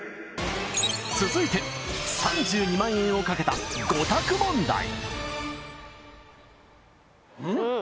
続いて３２万円をかけた５択問題